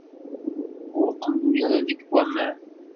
Ur qellu ara deg waman.